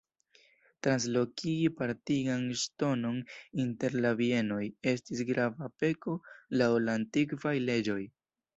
Translokigi partigan ŝtonon inter la bienoj estis grava peko laŭ la antikvaj leĝoj.